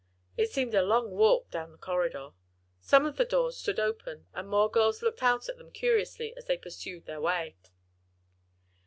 It seemed a long walk down the corridor. Some of the doors stood open, and more girls looked out at them curiously as they pursued their way.